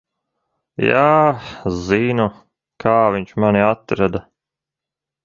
Jā, zinu, kā viņš mani atrada.